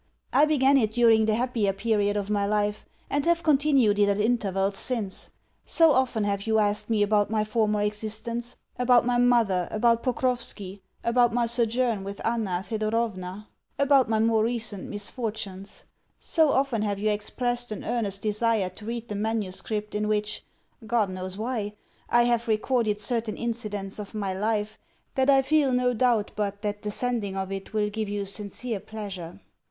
I began it during the happier period of my life, and have continued it at intervals since. So often have you asked me about my former existence about my mother, about Pokrovski, about my sojourn with Anna Thedorovna, about my more recent misfortunes; so often have you expressed an earnest desire to read the manuscript in which (God knows why) I have recorded certain incidents of my life, that I feel no doubt but that the sending of it will give you sincere pleasure.